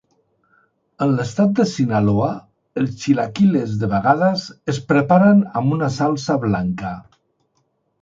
En l'estat de Sinaloa, els chilaquiles de vegades es preparen amb una salsa blanca.